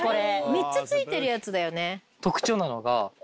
めっちゃ付いてるやつだよね。